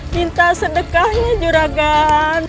minta sedekahnya juragan